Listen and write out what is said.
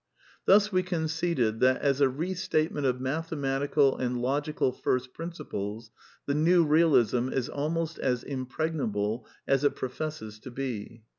Thus we conceded that, as a restatement of mathemati cal and logical first principles, the New Realism is almost as impregnable as it professes to be.